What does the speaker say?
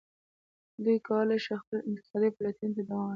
دوی کولای شي خپلې انتقادي پلټنې ته دوام ورکړي.